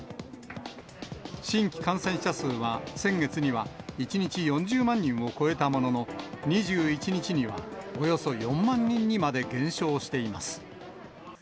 新規感染者数は、先月には１日４０万人を超えたものの、２１日にはおよそ４万人にまで減少しています。